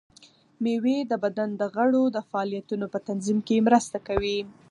مېوې د بدن د غړو د فعالیتونو په تنظیم کې مرسته کوي.